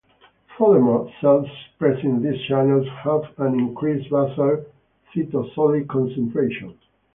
Furthermore, cells expressing these channels have an increased basal cytosolic concentration.